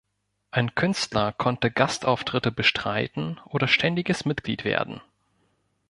Ein Künstler konnte Gastauftritte bestreiten oder ständiges Mitglied werden.